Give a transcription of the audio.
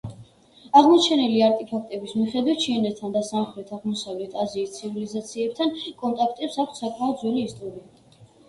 აღმოჩენილი არტეფაქტების მიხედვით ჩინეთთან და სამხრეთ-აღმოსავლეთ აზიის ცივილიზაციებთან კონტაქტებს აქვთ საკმაოდ ძველი ისტორია.